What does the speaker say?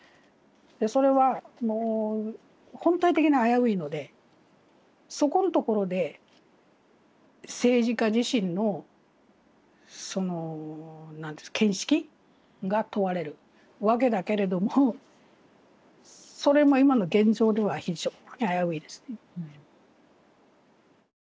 それは本体的に危ういのでそこのところで政治家自身の見識が問われるわけだけれどもそれも今の現状では非常に危ういですね。